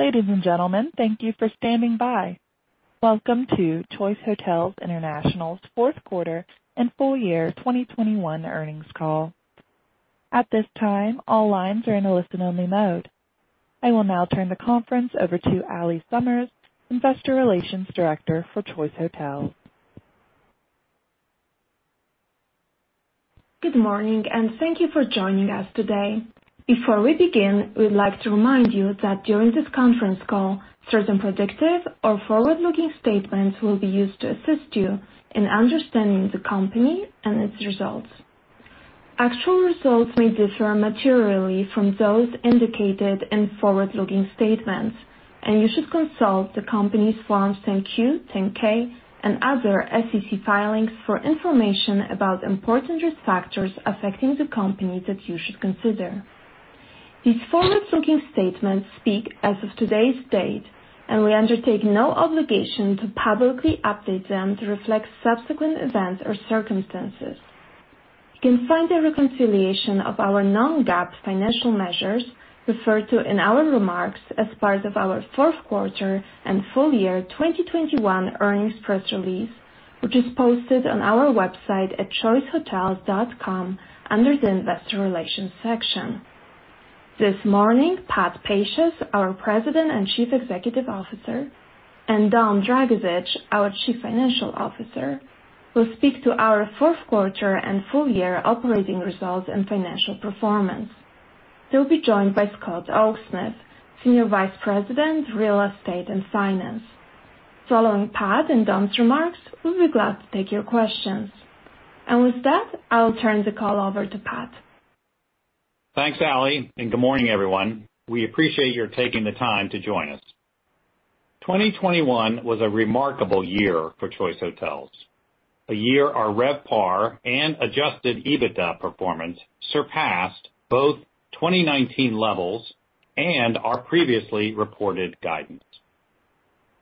Ladies and gentlemen, thank you for standing by. Welcome to Choice Hotels International's fourth quarter and full year 2021 earnings call. At this time, all lines are in a listen-only mode. I will now turn the conference over to Allie Summers, Investor Relations Director for Choice Hotels. Good morning, and thank you for joining us today. Before we begin, we'd like to remind you that during this conference call, certain predictive or forward-looking statements will be used to assist you in understanding the company and its results. Actual results may differ materially from those indicated in forward-looking statements, and you should consult the company's Forms 10-Q, 10-K, and other SEC filings for information about important risk factors affecting the company that you should consider. These forward-looking statements speak as of today's date, and we undertake no obligation to publicly update them to reflect subsequent events or circumstances. You can find a reconciliation of our non-GAAP financial measures referred to in our remarks as part of our fourth quarter and full year 2021 earnings press release, which is posted on our website at choicehotels.com under the investor relations section. This morning, Patrick Pacious, our President and Chief Executive Officer, and Dominic Dragisich, our Chief Financial Officer, will speak to our fourth quarter and full year operating results and financial performance. They'll be joined by Scott Oaksmith, Senior Vice President, Real Estate and Finance. Following Pat and Don's remarks, we'll be glad to take your questions. With that, I'll turn the call over to Pat. Thanks, Allie, and good morning, everyone. We appreciate your taking the time to join us. 2021 was a remarkable year for Choice Hotels, a year our RevPAR and adjusted EBITDA performance surpassed both 2019 levels and our previously reported guidance.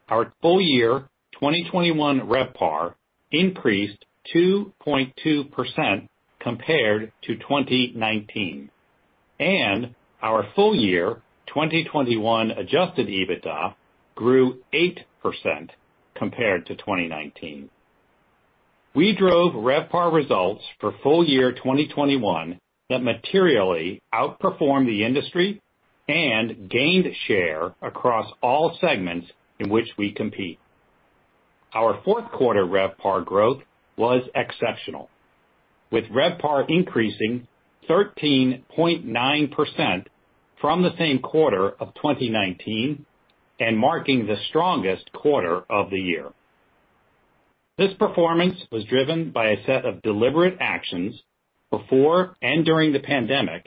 Our full year 2021 RevPAR increased 2.2% compared to 2019, and our full year 2021 adjusted EBITDA grew 8% compared to 2019. We drove RevPAR results for full year 2021 that materially outperformed the industry and gained share across all segments in which we compete. Our fourth quarter RevPAR growth was exceptional, with RevPAR increasing 13.9% from the same quarter of 2019 and marking the strongest quarter of the year. This performance was driven by a set of deliberate actions before and during the pandemic,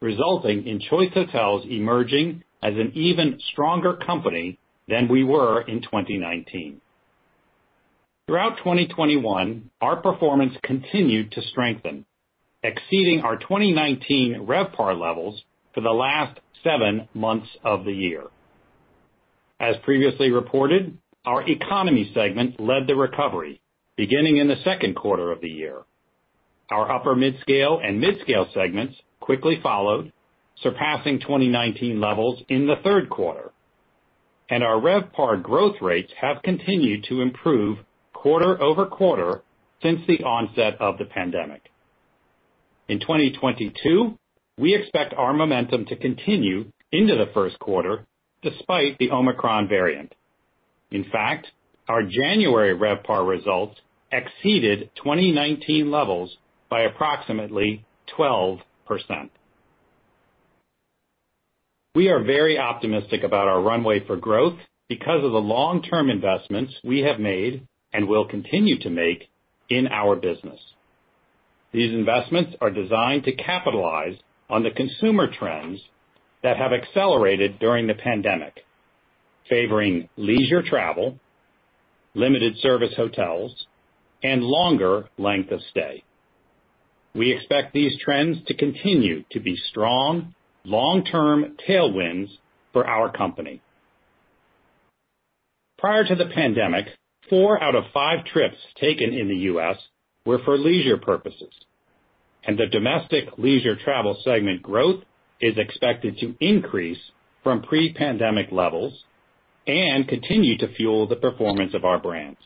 resulting in Choice Hotels emerging as an even stronger company than we were in 2019. Throughout 2021, our performance continued to strengthen, exceeding our 2019 RevPAR levels for the last seven months of the year. As previously reported, our economy segment led the recovery beginning in the second quarter of the year. Our upper mid-scale and mid-scale segments quickly followed, surpassing 2019 levels in the third quarter. Our RevPAR growth rates have continued to improve quarter-over-quarter since the onset of the pandemic. In 2022, we expect our momentum to continue into the first quarter despite the Omicron variant. In fact, our January RevPAR results exceeded 2019 levels by approximately 12%. We are very optimistic about our runway for growth because of the long-term investments we have made and will continue to make in our business. These investments are designed to capitalize on the consumer trends that have accelerated during the pandemic, favoring leisure travel, limited service hotels, and longer length of stay. We expect these trends to continue to be strong, long-term tailwinds for our company. Prior to the pandemic, four out of five trips taken in the U.S. were for leisure purposes, and the domestic leisure travel segment growth is expected to increase from pre-pandemic levels and continue to fuel the performance of our brands.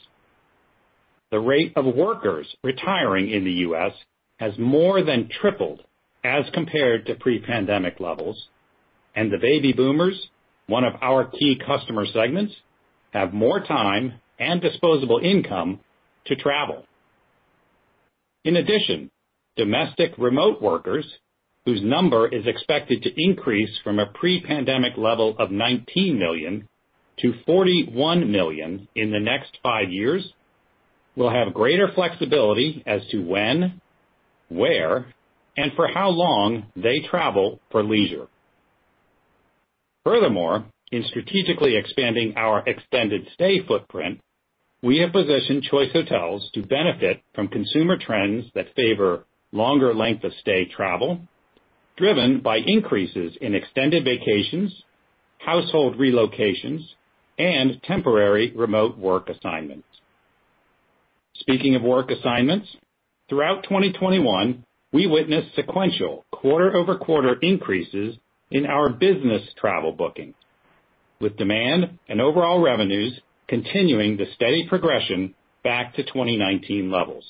The rate of workers retiring in the U.S. has more than tripled as compared to pre-pandemic levels, and the baby boomers, one of our key customer segments, have more time and disposable income to travel. In addition, domestic remote workers, whose number is expected to increase from a pre-pandemic level of 19 million to 41 million in the next five years, will have greater flexibility as to when, where, and for how long they travel for leisure. Furthermore, in strategically expanding our extended stay footprint, we have positioned Choice Hotels to benefit from consumer trends that favor longer length of stay travel driven by increases in extended vacations, household relocations, and temporary remote work assignments. Speaking of work assignments, throughout 2021, we witnessed sequential quarter-over-quarter increases in our business travel bookings, with demand and overall revenues continuing the steady progression back to 2019 levels.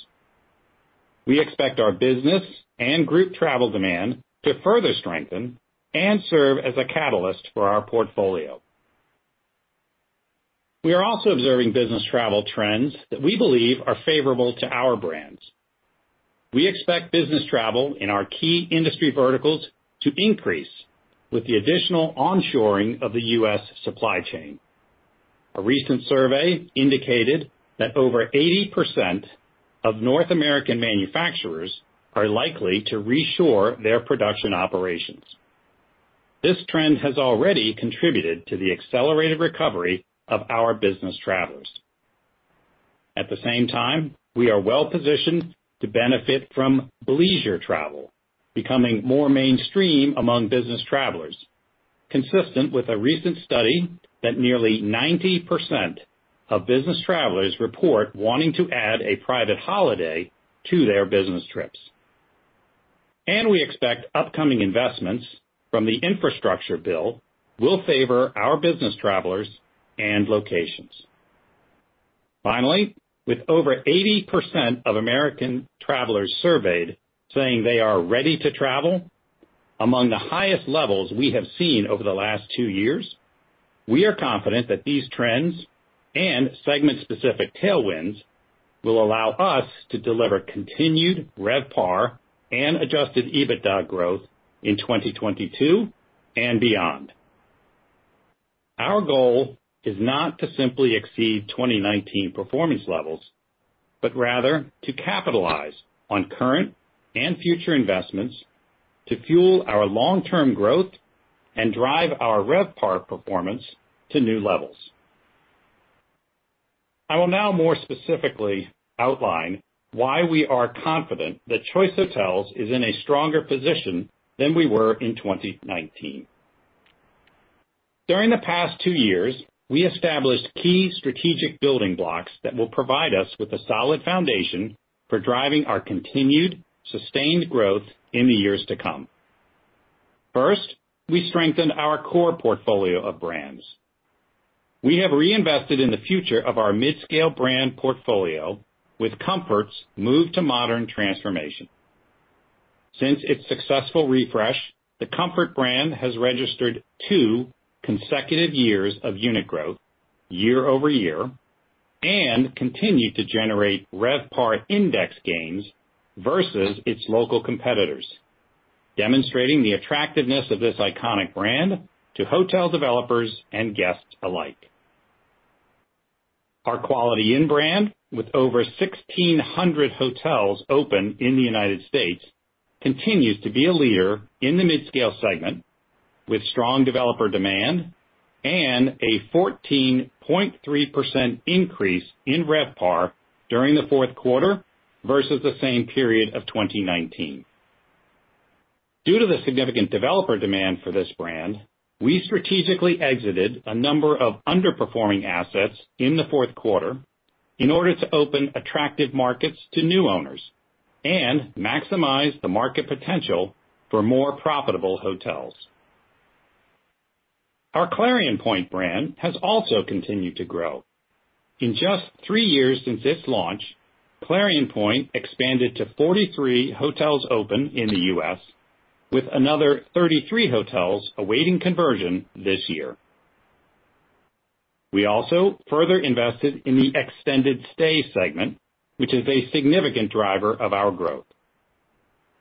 We expect our business and group travel demand to further strengthen and serve as a catalyst for our portfolio. We are also observing business travel trends that we believe are favorable to our brands. We expect business travel in our key industry verticals to increase with the additional onshoring of the U.S. supply chain. A recent survey indicated that over 80% of North American manufacturers are likely to reshore their production operations. This trend has already contributed to the accelerated recovery of our business travelers. At the same time, we are well-positioned to benefit from leisure travel becoming more mainstream among business travelers, consistent with a recent study that nearly 90% of business travelers report wanting to add a private holiday to their business trips. We expect upcoming investments from the infrastructure bill will favor our business travelers and locations. Finally, with over 80% of American travelers surveyed saying they are ready to travel, among the highest levels we have seen over the last two years, we are confident that these trends and segment-specific tailwinds will allow us to deliver continued RevPAR and adjusted EBITDA growth in 2022 and beyond. Our goal is not to simply exceed 2019 performance levels, but rather to capitalize on current and future investments to fuel our long-term growth and drive our RevPAR performance to new levels. I will now more specifically outline why we are confident that Choice Hotels is in a stronger position than we were in 2019. During the past two years, we established key strategic building blocks that will provide us with a solid foundation for driving our continued sustained growth in the years to come. First, we strengthened our core portfolio of brands. We have reinvested in the future of our midscale brand portfolio with Comfort's Move to Modern transformation. Since its successful refresh, the Comfort brand has registered 2 consecutive years of unit growth year-over-year and continued to generate RevPAR index gains versus its local competitors, demonstrating the attractiveness of this iconic brand to hotel developers and guests alike. Our Quality Inn brand, with over 1,600 hotels open in the United States, continues to be a leader in the midscale segment with strong developer demand and a 14.3% increase in RevPAR during the fourth quarter versus the same period of 2019. Due to the significant developer demand for this brand, we strategically exited a number of underperforming assets in the fourth quarter in order to open attractive markets to new owners and maximize the market potential for more profitable hotels. Our Clarion Pointe brand has also continued to grow. In just 3 years since its launch, Clarion Pointe expanded to 43 hotels open in the U.S., with another 33 hotels awaiting conversion this year. We also further invested in the extended stay segment, which is a significant driver of our growth.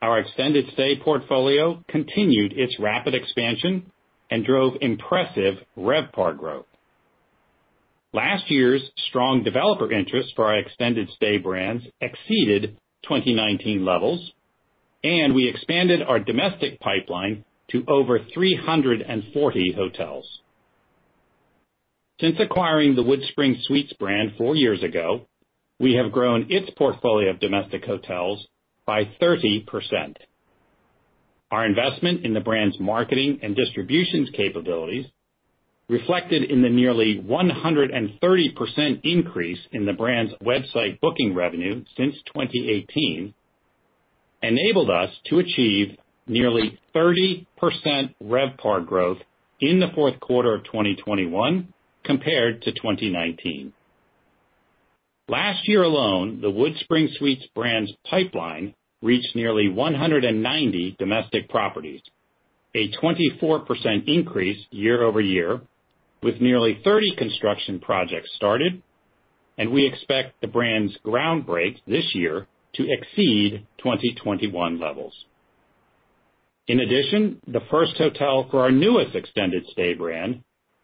Our extended stay portfolio continued its rapid expansion and drove impressive RevPAR growth. Last year's strong developer interest for our extended stay brands exceeded 2019 levels, and we expanded our domestic pipeline to over 340 hotels. Since acquiring the WoodSpring Suites brand 4 years ago, we have grown its portfolio of domestic hotels by 30%. Our investment in the brand's marketing and distributions capabilities, reflected in the nearly 130% increase in the brand's website booking revenue since 2018, enabled us to achieve nearly 30% RevPAR growth in the fourth quarter of 2021 compared to 2019. Last year alone, the WoodSpring Suites brand's pipeline reached nearly 190 domestic properties, a 24% increase year-over-year, with nearly 30 construction projects started, and we expect the brand's ground break this year to exceed 2021 levels. In addition, the first hotel for our newest extended stay brand,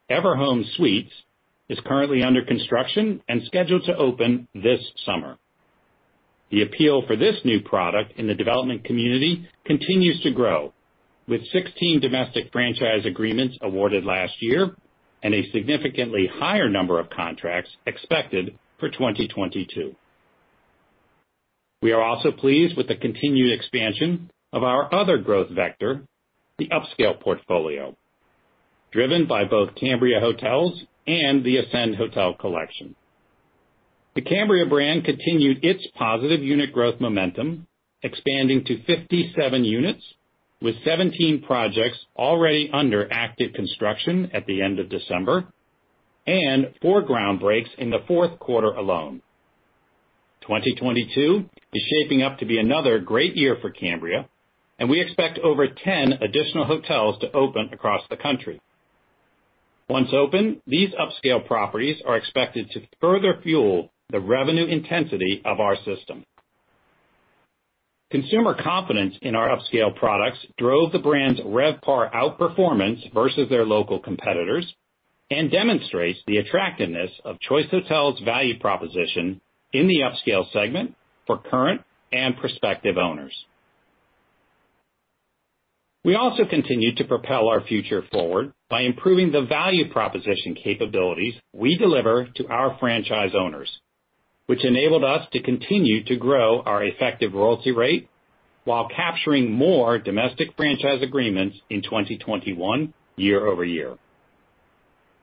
Everhome Suites, is currently under construction and scheduled to open this summer. The appeal for this new product in the development community continues to grow, with 16 domestic franchise agreements awarded last year and a significantly higher number of contracts expected for 2022. We are also pleased with the continued expansion of our other growth vector, the upscale portfolio, driven by both Cambria Hotels and the Ascend Hotel Collection. The Cambria brand continued its positive unit growth momentum, expanding to 57 units, with 17 projects already under active construction at the end of December, and four groundbreaks in the fourth quarter alone. 2022 is shaping up to be another great year for Cambria, and we expect over 10 additional hotels to open across the country. Once open, these upscale properties are expected to further fuel the revenue intensity of our system. Consumer confidence in our upscale products drove the brand's RevPAR outperformance versus their local competitors, and demonstrates the attractiveness of Choice Hotels' value proposition in the upscale segment for current and prospective owners. We also continue to propel our future forward by improving the value proposition capabilities we deliver to our franchise owners, which enabled us to continue to grow our effective royalty rate while capturing more domestic franchise agreements in 2021 year-over-year.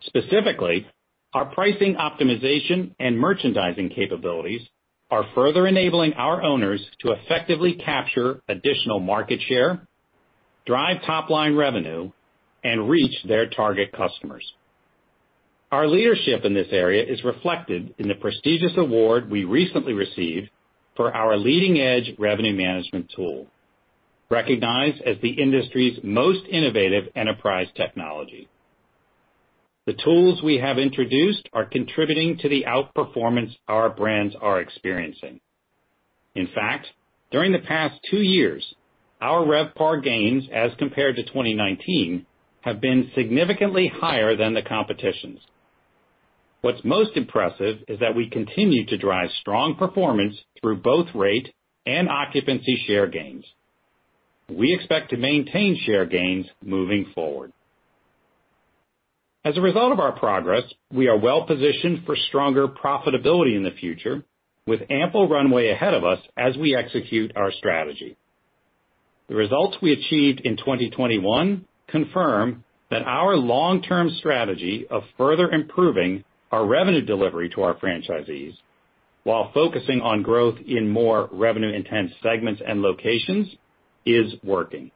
Specifically, our pricing optimization and merchandising capabilities are further enabling our owners to effectively capture additional market share, drive top-line revenue, and reach their target customers. Our leadership in this area is reflected in the prestigious award we recently received for our leading-edge revenue management tool, recognized as the industry's most innovative enterprise technology. The tools we have introduced are contributing to the outperformance our brands are experiencing. In fact, during the past two years, our RevPAR gains, as compared to 2019, have been significantly higher than the competition's. What's most impressive is that we continue to drive strong performance through both rate and occupancy share gains. We expect to maintain share gains moving forward. As a result of our progress, we are well-positioned for stronger profitability in the future, with ample runway ahead of us as we execute our strategy. The results we achieved in 2021 confirm that our long-term strategy of further improving our revenue delivery to our franchisees while focusing on growth in more revenue-intense segments and locations is working.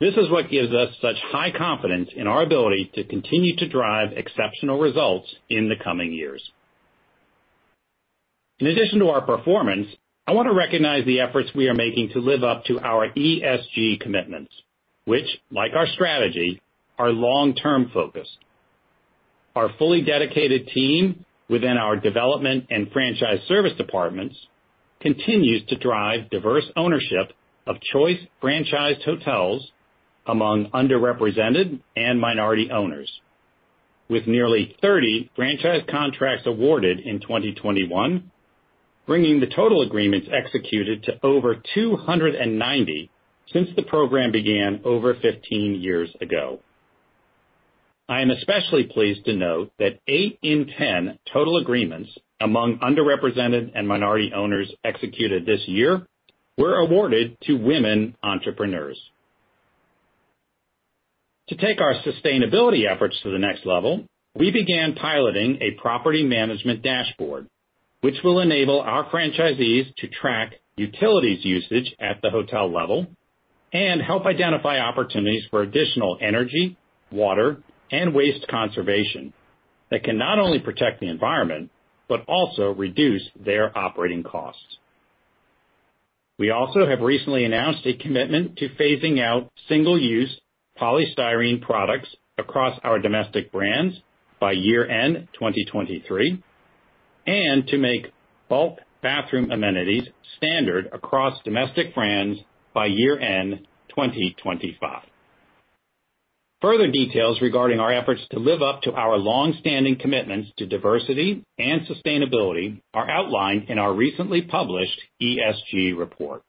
This is what gives us such high confidence in our ability to continue to drive exceptional results in the coming years. In addition to our performance, I want to recognize the efforts we are making to live up to our ESG commitments, which, like our strategy, are long-term focused. Our fully dedicated team within our development and franchise service departments continues to drive diverse ownership of Choice franchised hotels among underrepresented and minority owners. With nearly 30 franchise contracts awarded in 2021, bringing the total agreements executed to over 290 since the program began over 15 years ago. I am especially pleased to note that 8 in 10 total agreements among underrepresented and minority owners executed this year were awarded to women entrepreneurs. To take our sustainability efforts to the next level, we began piloting a property management dashboard, which will enable our franchisees to track utilities usage at the hotel level and help identify opportunities for additional energy, water, and waste conservation that can not only protect the environment, but also reduce their operating costs. We also have recently announced a commitment to phasing out single-use polystyrene products across our domestic brands by year-end 2023, and to make bulk bathroom amenities standard across domestic brands by year-end 2025. Further details regarding our efforts to live up to our long-standing commitments to diversity and sustainability are outlined in our recently published ESG report.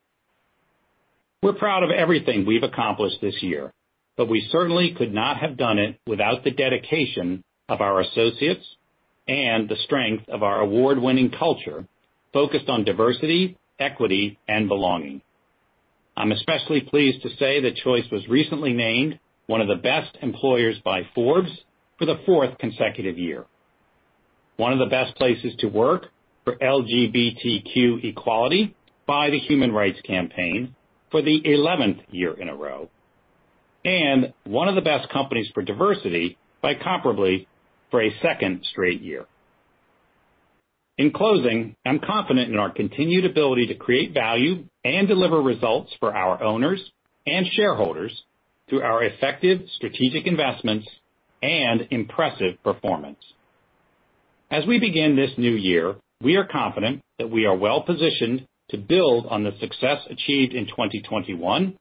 We're proud of everything we've accomplished this year, but we certainly could not have done it without the dedication of our associates and the strength of our award-winning culture focused on diversity, equity, and belonging. I'm especially pleased to say that Choice was recently named one of the best employers by Forbes for the fourth consecutive year, one of the best places to work for LGBTQ equality by the Human Rights Campaign for the eleventh year in a row, and one of the best companies for diversity by Comparably for a second straight year. In closing, I'm confident in our continued ability to create value and deliver results for our owners and shareholders through our effective strategic investments and impressive performance. As we begin this new year, we are confident that we are well-positioned to build on the success achieved in 2021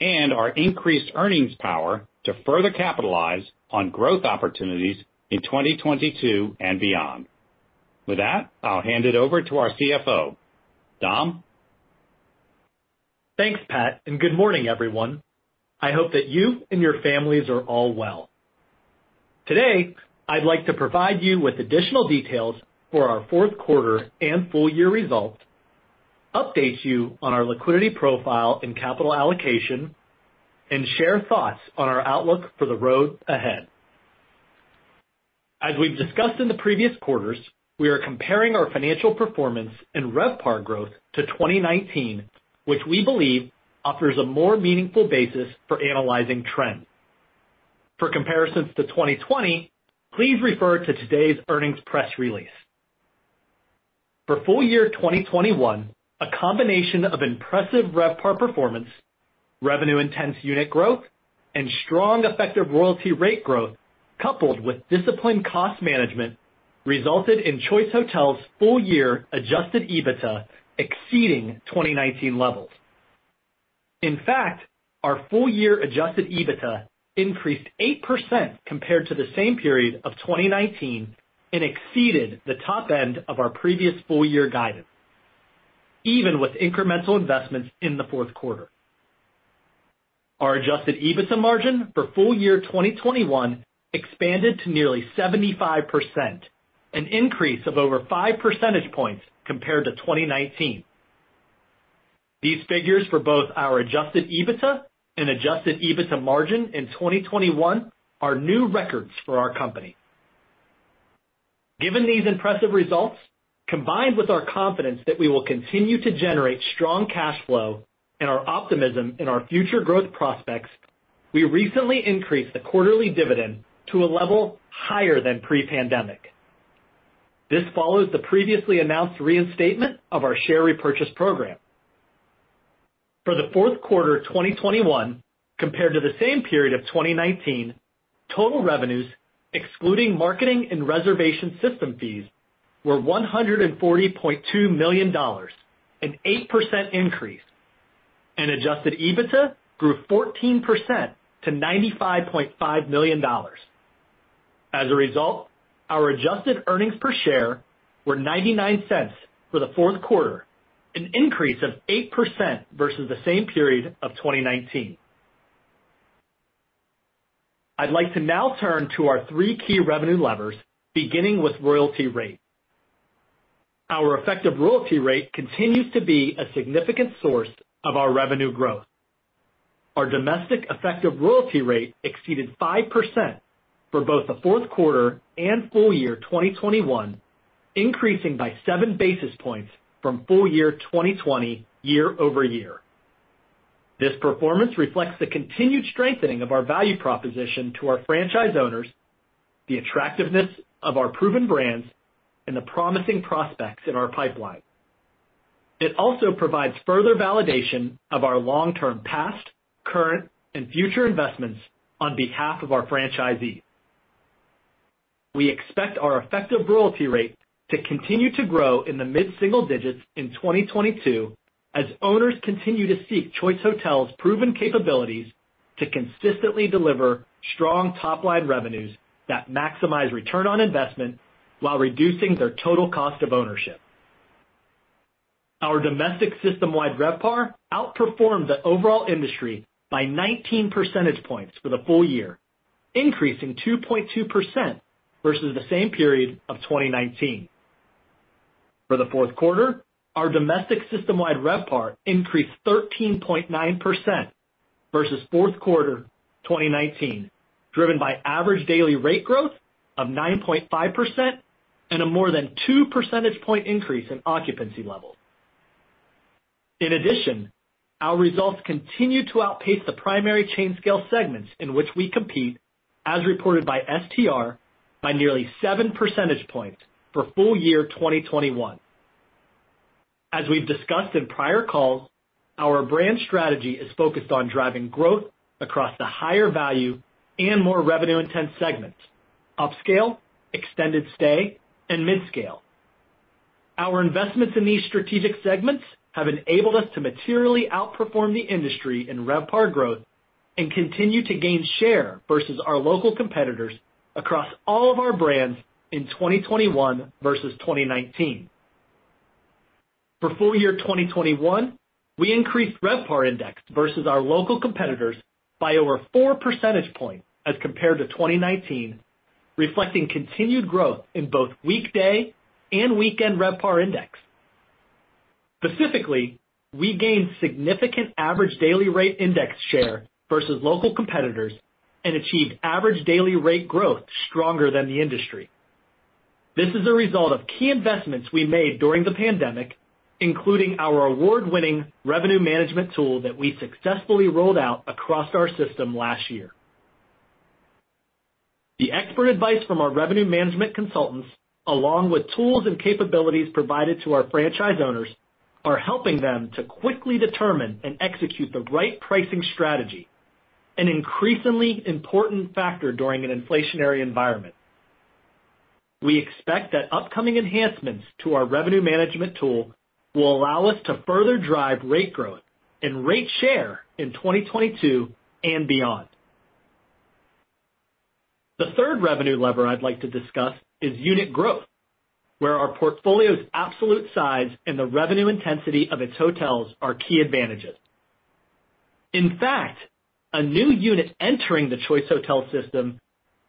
and our increased earnings power to further capitalize on growth opportunities in 2022 and beyond. With that, I'll hand it over to our CFO. Dom? Thanks, Pat, and good morning, everyone. I hope that you and your families are all well. Today, I'd like to provide you with additional details for our fourth quarter and full year results, update you on our liquidity profile and capital allocation, and share thoughts on our outlook for the road ahead. As we've discussed in the previous quarters, we are comparing our financial performance and RevPAR growth to 2019, which we believe offers a more meaningful basis for analyzing trends. For comparisons to 2020, please refer to today's earnings press release. For full year 2021, a combination of impressive RevPAR performance, revenue-intensive unit growth, and strong effective royalty rate growth, coupled with disciplined cost management, resulted in Choice Hotels' full year adjusted EBITDA exceeding the 2019 levels. In fact, our full year adjusted EBITDA increased 8% compared to the same period of 2019 and exceeded the top end of our previous full year guidance, even with incremental investments in the fourth quarter. Our adjusted EBITDA margin for full year 2021 expanded to nearly 75%, an increase of over 5 percentage points compared to 2019. These figures for both our adjusted EBITDA and adjusted EBITDA margin in 2021 are new records for our company. Given these impressive results, combined with our confidence that we will continue to generate strong cash flow and our optimism in our future growth prospects, we recently increased the quarterly dividend to a level higher than pre-pandemic. This follows the previously announced reinstatement of our share repurchase program. For the fourth quarter of 2021, compared to the same period of 2019, total revenues, excluding marketing and reservation system fees, were $140.2 million, an 8% increase, and adjusted EBITDA grew 14% to $95.5 million. As a result, our adjusted earnings per share were $0.99 for the fourth quarter, an increase of 8% versus the same period of 2019. I'd like to now turn to our three key revenue levers, beginning with royalty rate. Our effective royalty rate continues to be a significant source of our revenue growth. Our domestic effective royalty rate exceeded 5% for both the fourth quarter and full year 2021, increasing by seven basis points from full year 2020 year-over-year. This performance reflects the continued strengthening of our value proposition to our franchise owners, the attractiveness of our proven brands, and the promising prospects in our pipeline. It also provides further validation of our long-term past, current, and future investments on behalf of our franchisees. We expect our effective royalty rate to continue to grow in the mid-single digits in 2022 as owners continue to seek Choice Hotels' proven capabilities to consistently deliver strong top-line revenues that maximize return on investment while reducing their total cost of ownership. Our domestic system-wide RevPAR outperformed the overall industry by 19 percentage points for the full year, increasing 2.2% versus the same period of 2019. For the fourth quarter, our domestic system-wide RevPAR increased 13.9% versus fourth quarter 2019, driven by average daily rate growth of 9.5% and a more than 2 percentage point increase in occupancy levels. In addition, our results continued to outpace the primary chain scale segments in which we compete, as reported by STR, by nearly 7 percentage points for full year 2021. As we've discussed in prior calls, our brand strategy is focused on driving growth across the higher value and more revenue-intensive segments, upscale, extended stay, and mid-scale. Our investments in these strategic segments have enabled us to materially outperform the industry in RevPAR growth and continue to gain share versus our local competitors across all of our brands in 2021 versus 2019. For full year 2021, we increased RevPAR index versus our local competitors by over 4 percentage points as compared to 2019, reflecting continued growth in both weekday and weekend RevPAR index. Specifically, we gained significant average daily rate index share versus local competitors and achieved average daily rate growth stronger than the industry. This is a result of key investments we made during the pandemic, including our award-winning revenue management tool that we successfully rolled out across our system last year. The expert advice from our revenue management consultants, along with tools and capabilities provided to our franchise owners, are helping them to quickly determine and execute the right pricing strategy, an increasingly important factor during an inflationary environment. We expect that upcoming enhancements to our revenue management tool will allow us to further drive rate growth and rate share in 2022 and beyond. The third revenue lever I'd like to discuss is unit growth, where our portfolio's absolute size and the revenue intensity of its hotels are key advantages. In fact, a new unit entering the Choice Hotels system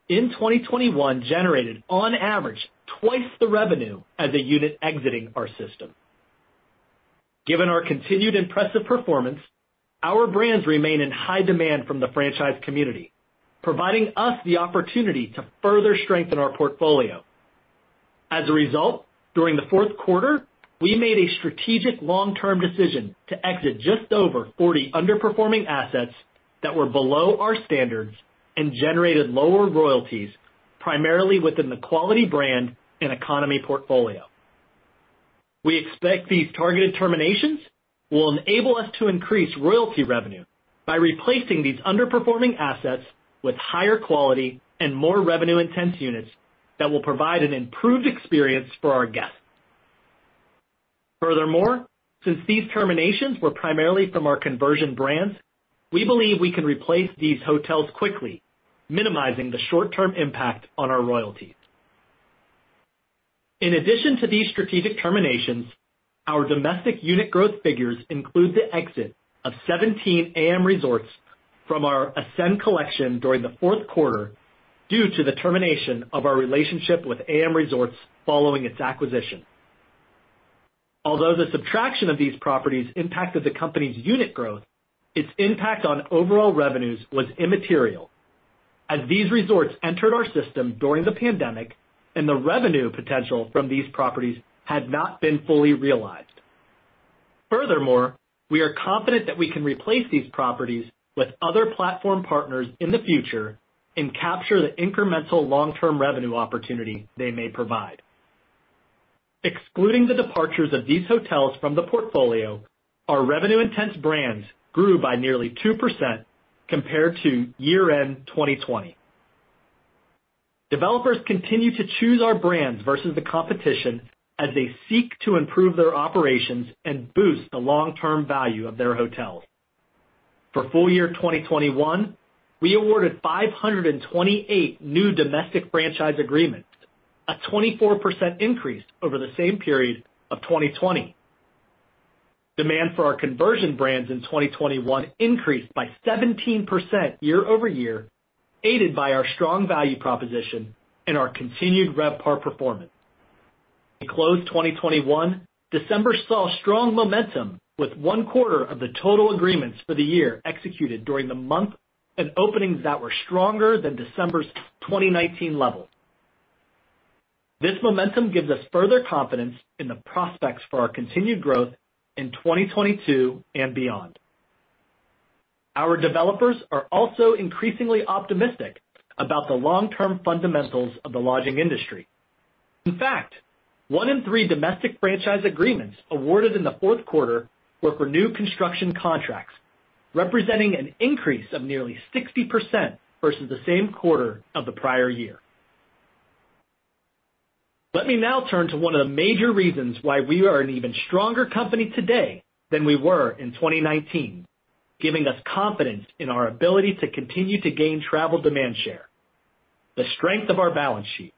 in 2021 generated, on average, twice the revenue as a unit exiting our system. Given our continued impressive performance, our brands remain in high demand from the franchise community, providing us the opportunity to further strengthen our portfolio. As a result, during the fourth quarter, we made a strategic long-term decision to exit just over 40 underperforming assets that were below our standards and generated lower royalties, primarily within the Quality brand and economy portfolio. We expect these targeted terminations will enable us to increase royalty revenue by replacing these underperforming assets with higher quality and more revenue-intensive units that will provide an improved experience for our guests. Furthermore, since these terminations were primarily from our conversion brands, we believe we can replace these hotels quickly, minimizing the short-term impact on our royalties. In addition to these strategic terminations, our domestic unit growth figures include the exit of 17 AMResorts from our Ascend Hotel Collection during the fourth quarter due to the termination of our relationship with AMResorts following its acquisition. Although the subtraction of these properties impacted the company's unit growth, its impact on overall revenues was immaterial, as these resorts entered our system during the pandemic and the revenue potential from these properties had not been fully realized. Furthermore, we are confident that we can replace these properties with other platform partners in the future and capture the incremental long-term revenue opportunity they may provide. Excluding the departures of these hotels from the portfolio, our revenue-intensive brands grew by nearly 2% compared to year-end 2020. Developers continue to choose our brands versus the competition as they seek to improve their operations and boost the long-term value of their hotels. For full year 2021, we awarded 528 new domestic franchise agreements, a 24% increase over the same period of 2020. Demand for our conversion brands in 2021 increased by 17% year-over-year, aided by our strong value proposition and our continued RevPAR performance. In closing 2021, December saw strong momentum with one quarter of the total agreements for the year executed during the month, and openings that were stronger than December's 2019 levels. This momentum gives us further confidence in the prospects for our continued growth in 2022 and beyond. Our developers are also increasingly optimistic about the long-term fundamentals of the lodging industry. In fact, 1 in 3 domestic franchise agreements awarded in the fourth quarter were for new construction contracts, representing an increase of nearly 60% versus the same quarter of the prior year. Let me now turn to one of the major reasons why we are an even stronger company today than we were in 2019, giving us confidence in our ability to continue to gain travel demand share, the strength of our balance sheet.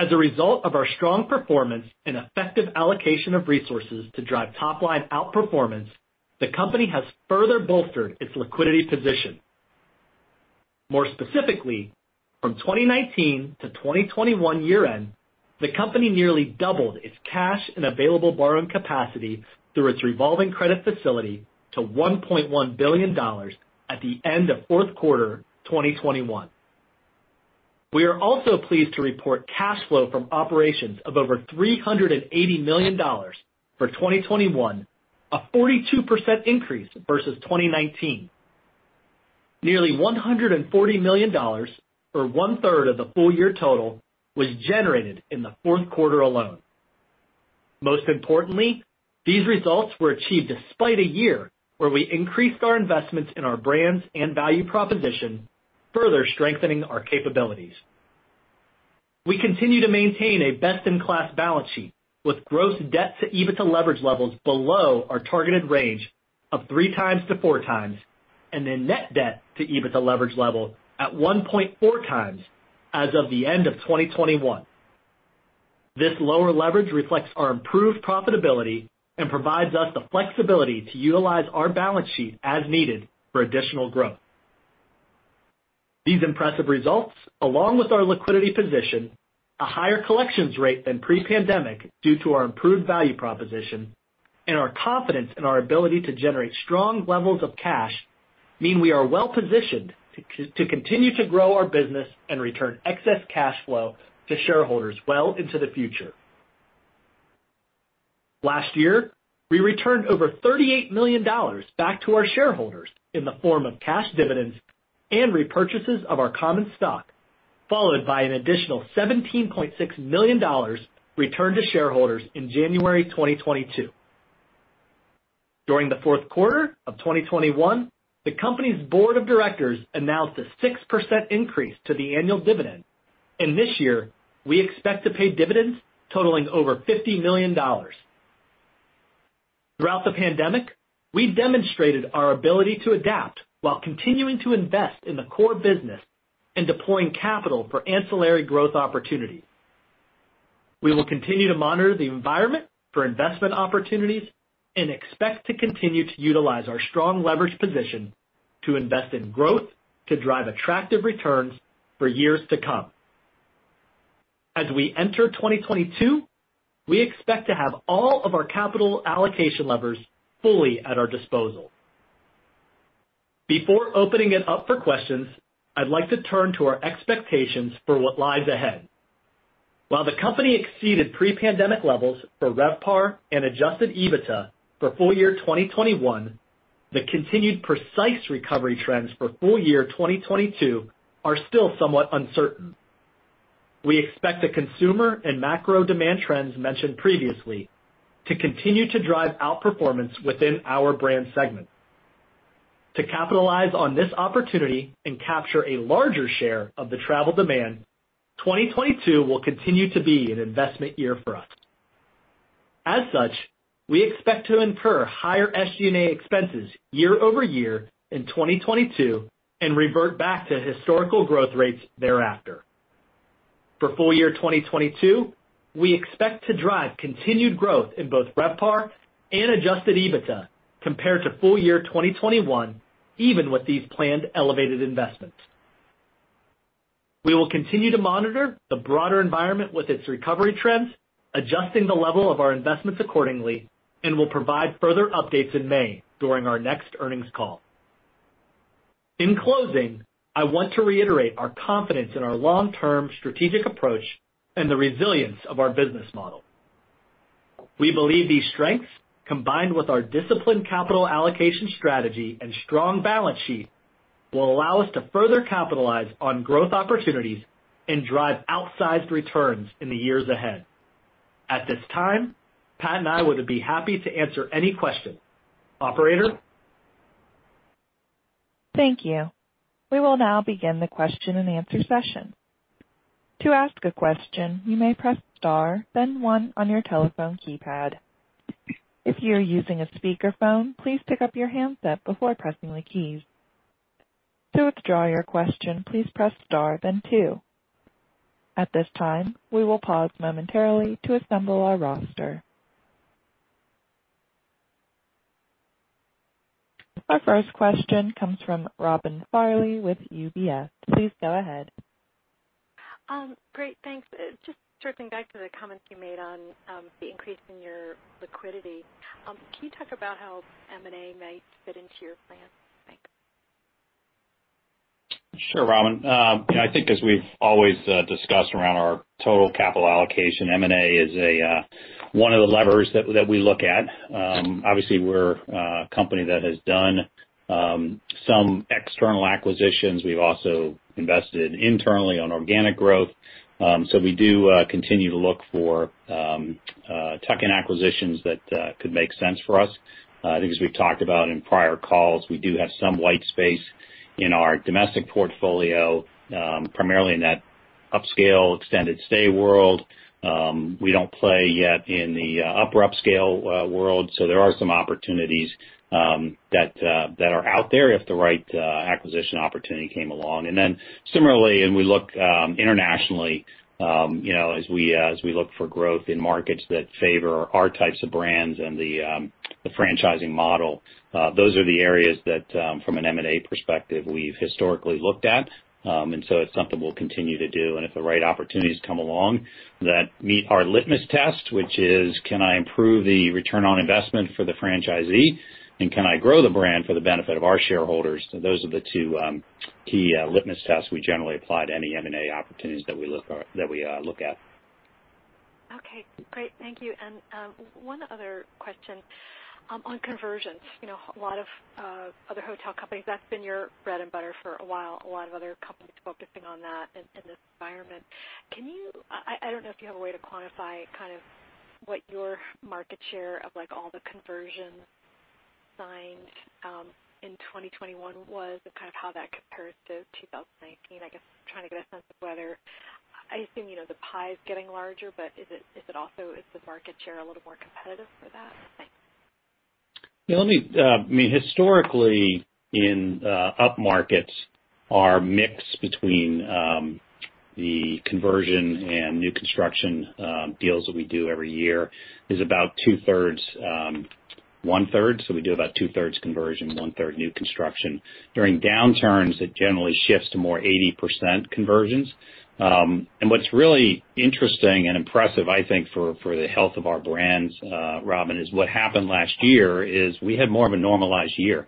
As a result of our strong performance and effective allocation of resources to drive top line outperformance, the company has further bolstered its liquidity position. More specifically, from 2019 to 2021 year-end, the company nearly doubled its cash and available borrowing capacity through its revolving credit facility to $1.1 billion at the end of fourth quarter 2021. We are also pleased to report cash flow from operations of over $380 million for 2021, a 42% increase versus 2019. Nearly $140 million, or one-third of the full year total, was generated in the fourth quarter alone. Most importantly, these results were achieved despite a year where we increased our investments in our brands and value proposition, further strengthening our capabilities. We continue to maintain a best-in-class balance sheet with gross debt to EBITDA leverage levels below our targeted range of 3x-4x, and a net debt to EBITDA leverage level at 1.4x as of the end of 2021. This lower leverage reflects our improved profitability and provides us the flexibility to utilize our balance sheet as needed for additional growth. These impressive results, along with our liquidity position, a higher collections rate than pre-pandemic due to our improved value proposition, and our confidence in our ability to generate strong levels of cash, mean we are well-positioned to continue to grow our business and return excess cash flow to shareholders well into the future. Last year, we returned over $38 million back to our shareholders in the form of cash dividends and repurchases of our common stock, followed by an additional $17.6 million returned to shareholders in January 2022. During the fourth quarter of 2021, the company's board of directors announced a 6% increase to the annual dividend. This year, we expect to pay dividends totaling over $50 million. Throughout the pandemic, we've demonstrated our ability to adapt while continuing to invest in the core business and deploying capital for ancillary growth opportunities. We will continue to monitor the environment for investment opportunities and expect to continue to utilize our strong leverage position to invest in growth to drive attractive returns for years to come. As we enter 2022, we expect to have all of our capital allocation levers fully at our disposal. Before opening it up for questions, I'd like to turn to our expectations for what lies ahead. While the company exceeded pre-pandemic levels for RevPAR and adjusted EBITDA for full year 2021, the continued precise recovery trends for full year 2022 are still somewhat uncertain. We expect the consumer and macro demand trends mentioned previously to continue to drive outperformance within our brand segment. To capitalize on this opportunity and capture a larger share of the travel demand, 2022 will continue to be an investment year for us. As such, we expect to incur higher SG&A expenses year-over-year in 2022 and revert back to historical growth rates thereafter. For full year 2022, we expect to drive continued growth in both RevPAR and adjusted EBITDA compared to full year 2021, even with these planned elevated investments. We will continue to monitor the broader environment with its recovery trends, adjusting the level of our investments accordingly, and will provide further updates in May during our next earnings call. In closing, I want to reiterate our confidence in our long-term strategic approach and the resilience of our business model. We believe these strengths, combined with our disciplined capital allocation strategy and strong balance sheet, will allow us to further capitalize on growth opportunities and drive outsized returns in the years ahead. At this time, Pat and I would be happy to answer any questions. Operator? Thank you. We will now begin the question-and-answer session. To ask a question, you may press star then 1 on your telephone keypad. If you are using a speakerphone, please pick up your handset before pressing the keys. To withdraw your question, please press star then 2. At this time, we will pause momentarily to assemble our roster. Our first question comes from Robin Farley with UBS. Please go ahead. Great, thanks. Just circling back to the comments you made on the increase in your liquidity. Can you talk about how M&A might fit into your plan? Thanks. Sure, Robin. Yeah, I think as we've always discussed around our total capital allocation, M&A is one of the levers that we look at. Obviously we're a company that has done some external acquisitions. We've also invested internally on organic growth. We do continue to look for tuck-in acquisitions that could make sense for us. I think as we've talked about in prior calls, we do have some white space in our domestic portfolio, primarily in that upscale extended stay world. We don't play yet in the upper upscale world, so there are some opportunities that are out there if the right acquisition opportunity came along. Similarly, we look internationally, you know, as we look for growth in markets that favor our types of brands and the franchising model. Those are the areas that, from an M&A perspective, we've historically looked at. It's something we'll continue to do. If the right opportunities come along that meet our litmus test, which is can I improve the return on investment for the franchisee, and can I grow the brand for the benefit of our shareholders? Those are the two key litmus tests we generally apply to any M&A opportunities that we look at. Okay, great. Thank you. One other question on conversions. You know, a lot of other hotel companies, that's been your bread and butter for a while, a lot of other companies focusing on that in this environment. I don't know if you have a way to quantify kind of what your market share of like all the conversions signed in 2021 was and kind of how that compares to 2019. I guess trying to get a sense of whether I assume, you know, the pie is getting larger, but is it also the market share a little more competitive for that? Thanks. Yeah, let me, I mean, historically in, up markets, our mix between, the conversion and new construction, deals that we do every year is about two-thirds, one-third. We do about two-thirds conversion, one-third new construction. During downturns, it generally shifts to more 80% conversions. What's really interesting and impressive, I think, for the health of our brands, Robin, is what happened last year is we had more of a normalized year.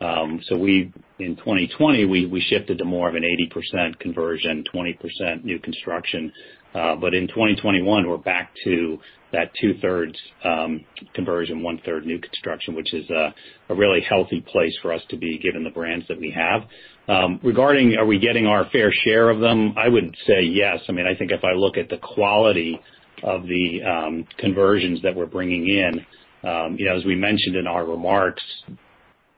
In 2020, we shifted to more of an 80% conversion, 20% new construction. In 2021, we're back to that two-thirds conversion, one-third new construction, which is a really healthy place for us to be given the brands that we have. Regarding are we getting our fair share of them, I would say yes. I mean, I think if I look at the quality of the conversions that we're bringing in, you know, as we mentioned in our remarks.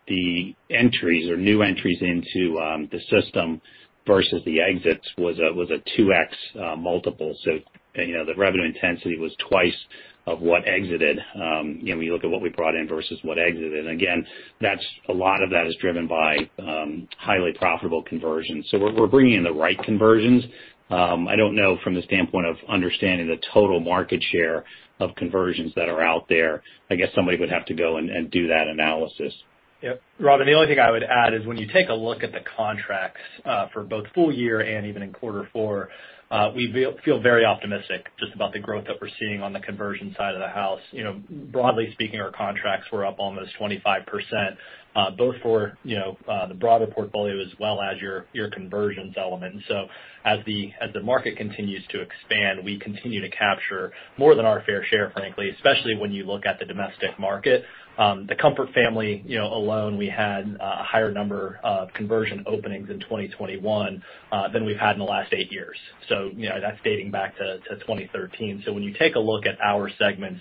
The entries or new entries into the system versus the exits was a 2x multiple. So, you know, the revenue intensity was twice of what exited. You know, when you look at what we brought in versus what exited. Again, that's a lot of that is driven by highly profitable conversions. So we're bringing in the right conversions. I don't know from the standpoint of understanding the total market share of conversions that are out there. I guess somebody would have to go and do that analysis. Yeah. Robin, the only thing I would add is when you take a look at the contracts for both full year and even in quarter four, we feel very optimistic just about the growth that we're seeing on the conversion side of the house. You know, broadly speaking, our contracts were up almost 25%, both for the broader portfolio as well as your conversions element. As the market continues to expand, we continue to capture more than our fair share, frankly, especially when you look at the domestic market. The Comfort family, you know, alone, we had a higher number of conversion openings in 2021 than we've had in the last eight years. You know, that's dating back to 2013. When you take a look at our segments,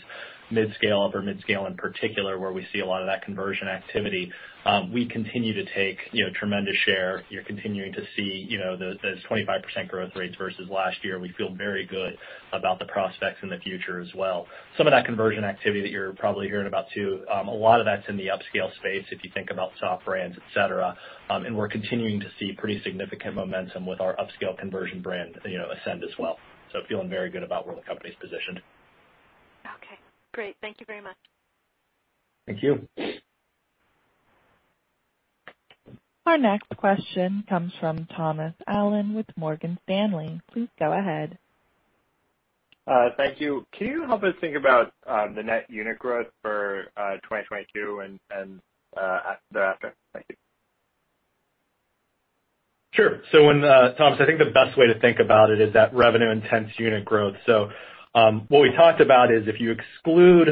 midscale, upper midscale in particular, where we see a lot of that conversion activity, we continue to take, you know, tremendous share. You're continuing to see, you know, those 25% growth rates versus last year. We feel very good about the prospects in the future as well. Some of that conversion activity that you're probably hearing about too, a lot of that's in the upscale space, if you think about soft brands, et cetera. And we're continuing to see pretty significant momentum with our upscale conversion brand, you know, Ascend as well. Feeling very good about where the company's positioned. Okay, great. Thank you very much. Thank you. Our next question comes from Thomas Allen with Morgan Stanley. Please go ahead. Thank you. Can you help us think about the net unit growth for 2022 and thereafter? Thank you. Sure. When, Thomas, I think the best way to think about it is that revenue-intensive unit growth. What we talked about is if you exclude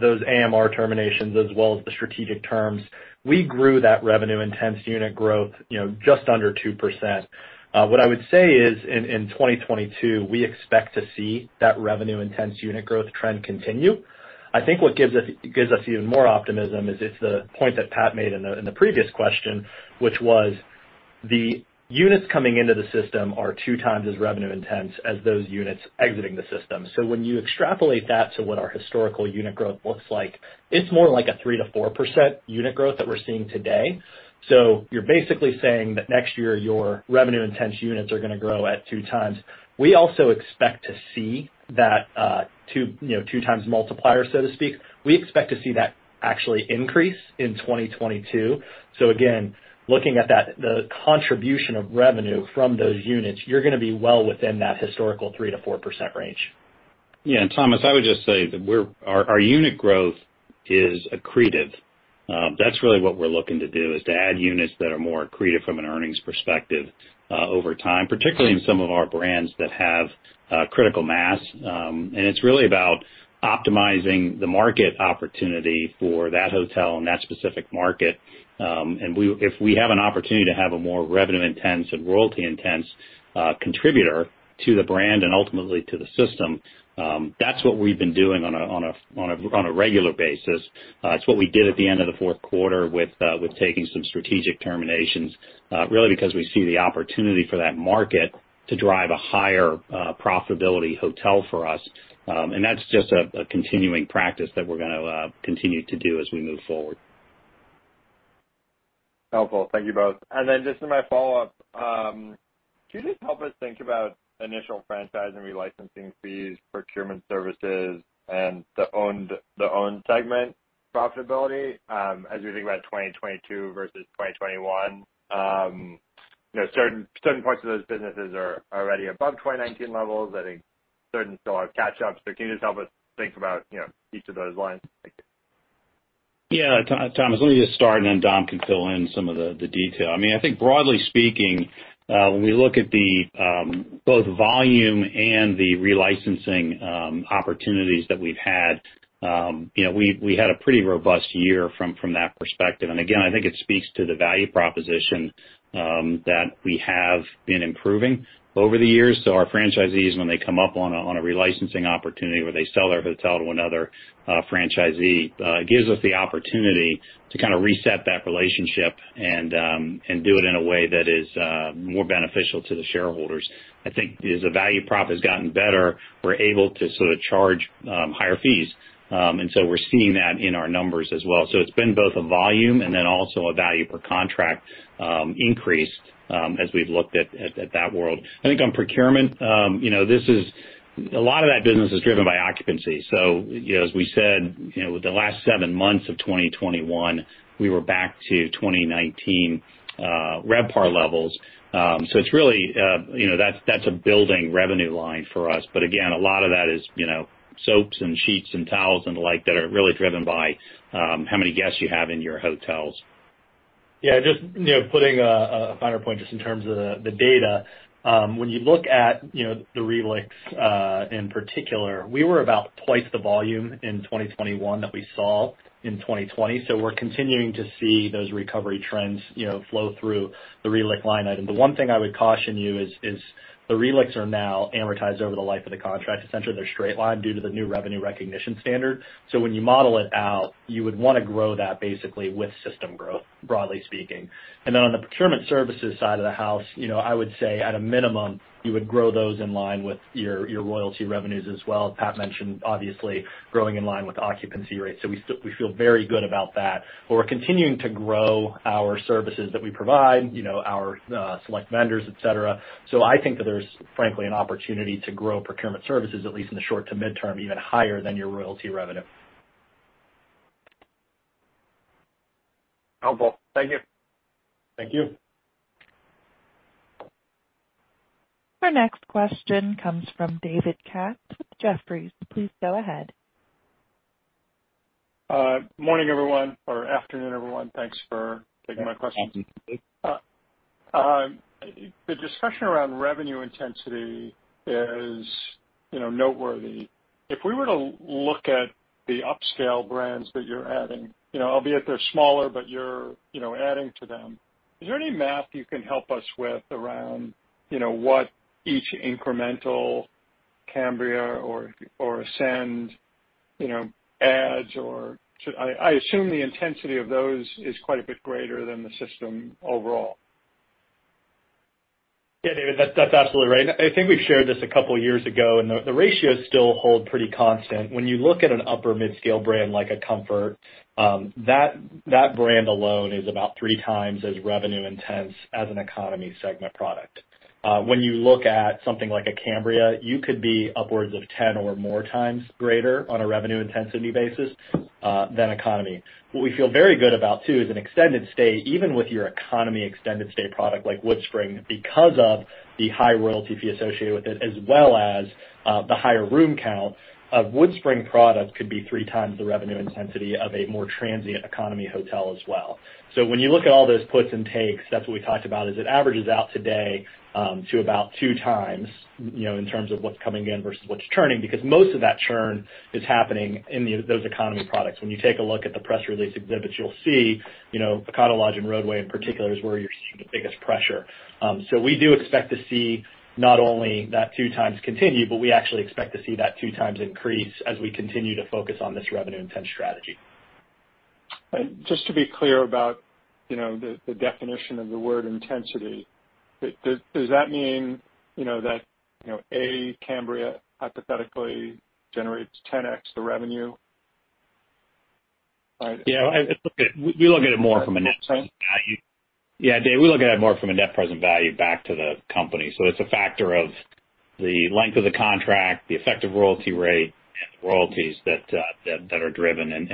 those AMResorts terminations as well as the strategic terminations, we grew that revenue-intensive unit growth, you know, just under 2%. What I would say is in 2022, we expect to see that revenue-intensive unit growth trend continue. I think what gives us even more optimism is it's the point that Pat made in the previous question, which was the units coming into the system are two times as revenue-intensive as those units exiting the system. When you extrapolate that to what our historical unit growth looks like, it's more like a 3%-4% unit growth that we're seeing today. You're basically saying that next year, your revenue-intensive units are gonna grow at 2x. We also expect to see that, you know, 2x multiplier, so to speak. We expect to see that actually increase in 2022. Again, looking at that, the contribution of revenue from those units, you're gonna be well within that historical 3%-4% range. Yeah, Thomas, I would just say that our unit growth is accretive. That's really what we're looking to do, is to add units that are more accretive from an earnings perspective over time, particularly in some of our brands that have critical mass. It's really about optimizing the market opportunity for that hotel and that specific market. If we have an opportunity to have a more revenue-intensive and royalty intense contributor to the brand and ultimately to the system, that's what we've been doing on a regular basis. It's what we did at the end of the fourth quarter with taking some strategic terminations, really because we see the opportunity for that market to drive a higher profitability hotel for us. That's just a continuing practice that we're gonna continue to do as we move forward. Helpful. Thank you both. Just in my follow-up, can you just help us think about initial franchise and relicensing fees, procurement services, and the owned segment profitability, as we think about 2022 versus 2021? You know, certain parts of those businesses are already above 2019 levels. I think certain still have catch-ups. Can you just help us think about, you know, each of those lines? Thank you. Yeah, Thomas, let me just start, and then Don can fill in some of the detail. I mean, I think broadly speaking, when we look at the both volume and the relicensing opportunities that we've had, you know, we had a pretty robust year from that perspective. Again, I think it speaks to the value proposition that we have been improving over the years. Our franchisees, when they come up on a relicensing opportunity where they sell their hotel to another franchisee, gives us the opportunity to kind of reset that relationship and do it in a way that is more beneficial to the shareholders. I think as the value prop has gotten better, we're able to sort of charge higher fees. We're seeing that in our numbers as well. It's been both a volume and then also a value per contract increase as we've looked at that world. I think on procurement, you know, a lot of that business is driven by occupancy. You know, as we said, you know, with the last seven months of 2021, we were back to 2019 RevPAR levels. It's really, you know, that's a building revenue line for us. Again, a lot of that is, you know, soaps and sheets and towels and the like that are really driven by how many guests you have in your hotels. Yeah, just, you know, putting a finer point just in terms of the data. When you look at, you know, the relicensing in particular, we were about twice the volume in 2021 that we saw in 2020. We're continuing to see those recovery trends, you know, flow through the relicensing line item. The one thing I would caution you is the relicensing are now amortized over the life of the contract. Essentially, they're straight line due to the new revenue recognition standard. When you model it out, you would wanna grow that basically with system growth, broadly speaking. Then on the procurement services side of the house, you know, I would say at a minimum- You would grow those in line with your royalty revenues as well. Pat mentioned obviously growing in line with occupancy rates. We feel very good about that. But we're continuing to grow our services that we provide, you know, our select vendors, et cetera. I think that there's frankly an opportunity to grow procurement services, at least in the short to midterm, even higher than your royalty revenue. Helpful. Thank you. Thank you. Our next question comes from David Katz with Jefferies. Please go ahead. Morning, everyone, or afternoon, everyone. Thanks for taking my questions. The discussion around revenue intensity is, you know, noteworthy. If we were to look at the upscale brands that you're adding, you know, albeit they're smaller, but you're, you know, adding to them, is there any math you can help us with around, you know, what each incremental Cambria or Ascend, you know, adds or should. I assume the intensity of those is quite a bit greater than the system overall. Yeah, David, that's absolutely right. I think we've shared this a couple years ago, and the ratios still hold pretty constant. When you look at an upper midscale brand like a Comfort, that brand alone is about 3 times as revenue-intensive as an economy segment product. When you look at something like a Cambria, you could be upwards of 10 or more times greater on a revenue intensity basis than economy. What we feel very good about too is an extended stay, even with your economy extended stay product like WoodSpring, because of the high royalty fee associated with it, as well as the higher room count, a WoodSpring product could be 3 times the revenue intensity of a more transient economy hotel as well. When you look at all those puts and takes, that's what we talked about, is it averages out today to about two times, you know, in terms of what's coming in versus what's churning, because most of that churn is happening in those economy products. When you take a look at the press release exhibits, you'll see, you know, Econo Lodge and Rodeway in particular is where you're seeing the biggest pressure. We do expect to see not only that two times continue, but we actually expect to see that two times increase as we continue to focus on this revenue intensive strategy. Just to be clear about, you know, the definition of the word intensity, does that mean, you know, that, you know, a Cambria hypothetically generates 10x the revenue? Yeah. We look at it more from a net present value. Sorry. Yeah. Dave, we look at it more from a net present value back to the company. It's a factor of the length of the contract, the effective royalty rate, and the royalties that are driven.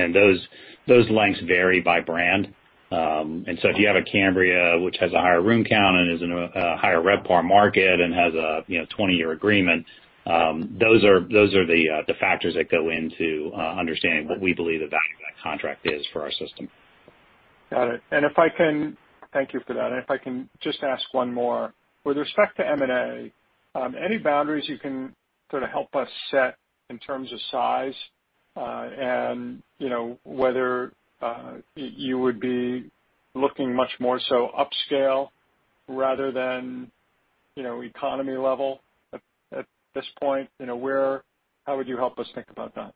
Those lengths vary by brand. If you have a Cambria which has a higher room count and is in a higher RevPAR market and has a 20-year agreement, those are the factors that go into understanding what we believe the value of that contract is for our system. Got it. Thank you for that. If I can just ask one more. With respect to M&A, any boundaries you can sort of help us set in terms of size, and you know, whether you would be looking much more so upscale rather than, you know, economy level at this point? You know, how would you help us think about that?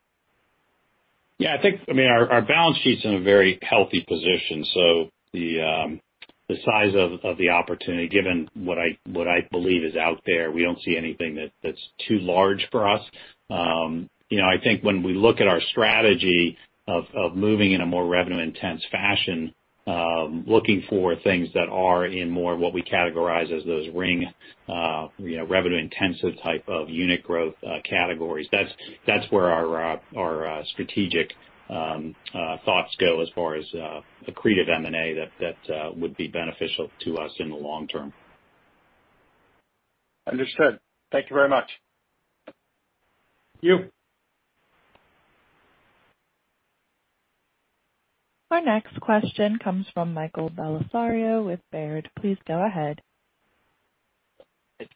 Yeah, I think, I mean, our balance sheet's in a very healthy position, so the size of the opportunity, given what I believe is out there, we don't see anything that's too large for us. You know, I think when we look at our strategy of moving in a more revenue-intensive fashion, looking for things that are in more what we categorize as those higher revenue intensive type of unit growth categories, that's where our strategic thoughts go as far as accretive M&A that would be beneficial to us in the long term. Understood. Thank you very much. Thank you. Our next question comes from Michael Bellisario with Baird. Please go ahead.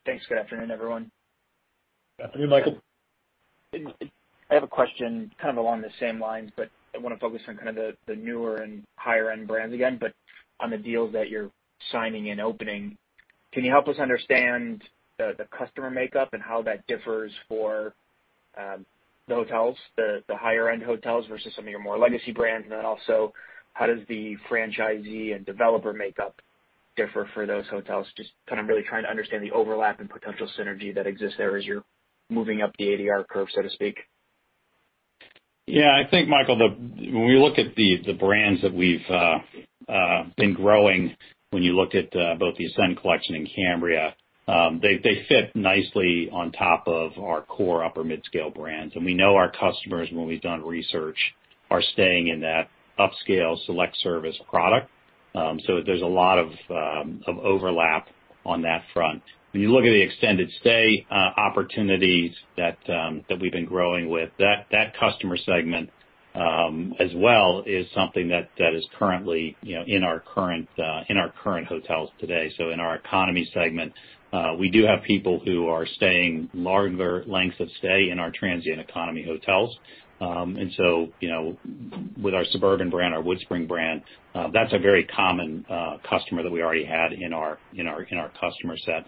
Thanks. Good afternoon, everyone. Afternoon, Michael. I have a question kind of along the same lines, but I wanna focus on kind of the newer and higher end brands again, but on the deals that you're signing and opening. Can you help us understand the customer makeup and how that differs for the higher end hotels versus some of your more legacy brands? How does the franchisee and developer makeup differ for those hotels? Just kind of really trying to understand the overlap and potential synergy that exists there as you're moving up the ADR curve, so to speak. Yeah. I think, Michael, when we look at the brands that we've been growing, when you look at both the Ascend collection and Cambria, they fit nicely on top of our core upper midscale brands. We know our customers, when we've done research, are staying in that upscale select service product. There's a lot of overlap on that front. When you look at the extended stay opportunities that we've been growing with that customer segment as well is something that is currently, you know, in our current hotels today. In our economy segment, we do have people who are staying longer lengths of stay in our transient economy hotels. You know, with our Suburban brand, our WoodSpring brand, that's a very common customer that we already had in our customer set.